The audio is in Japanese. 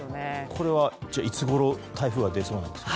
これは、いつごろ台風が出そうなんですか？